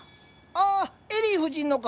あっエリー夫人のか。